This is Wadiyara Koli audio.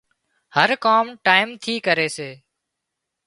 هر ڪام ٽيم ٿي ڪري سي